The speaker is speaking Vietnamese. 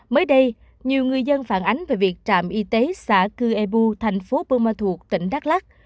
mới đây nhiều người dân phản ánh về việc trạm y tế xã cư ê bu thành phố pơ ma thuộc tỉnh đắk lắk